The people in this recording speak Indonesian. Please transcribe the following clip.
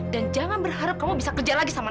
dan jangan berharap kamu bisa kerja lagi sama nara